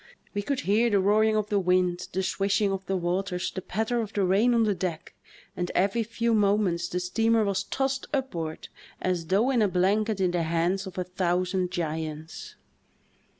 We could hear the roaring of the wind, the swishing of the waters, the patter of the rain on the deck, and every few moments the steamer was tossed upward as though in a blanket in the hands of a thousand giants.